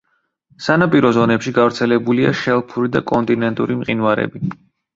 სანაპირო ზონებში გავრცელებულია შელფური და კონტინენტური მყინვარები.